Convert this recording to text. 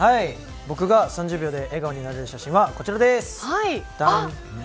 僕が３０秒で笑顔になれる写真はこちらです。